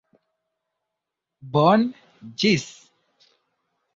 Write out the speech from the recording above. Bone, ĝis